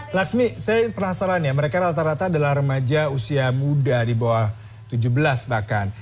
laksmi saya penasaran ya mereka rata rata adalah remaja usia muda di bawah tujuh belas bahkan